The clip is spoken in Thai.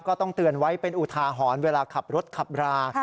ก็ต้องเตือนไว้เป็นอุทาหรณ์เวลาขับรถขับรา